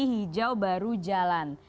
hijau baru jalan